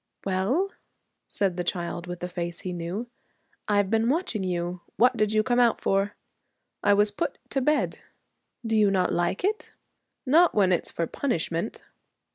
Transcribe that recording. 'Well,' said the child with the face he knew; 'I've been watching you. What did you come out for?' 'I was put to bed.' 'Do you not like it?' 'Not when it's for punishment.'